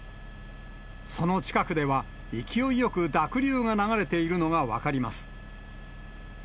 その近くでは勢いよく濁流が流れているのが分かります。